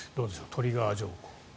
トリガー条項。